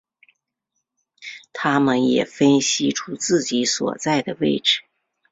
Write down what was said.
他们也分析出自己所在的位置。